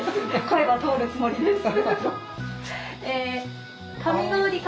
声は通るつもりです。